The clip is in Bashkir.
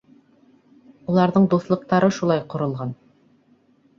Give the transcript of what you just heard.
Уларҙың дуҫлыҡтары шулай ҡоролған.